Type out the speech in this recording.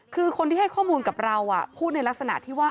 คือคนที่ให้ข้อมูลกับเราพูดในลักษณะที่ว่า